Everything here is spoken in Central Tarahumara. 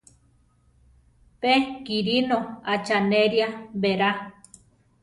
Pe Kírino acháneria berá.